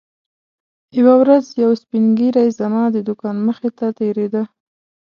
یوه ورځ یو سپین ږیری زما د دوکان مخې ته تېرېده.